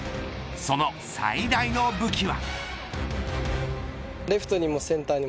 その最大の武器は。